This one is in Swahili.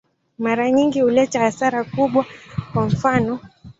Mara nyingi huleta hasara kubwa, kwa mfano.